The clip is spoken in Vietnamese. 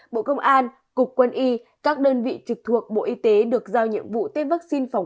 bộ công an cục quân y các đơn vị trực thuộc bộ y tế được giao nhiệm vụ tiêm vaccine phòng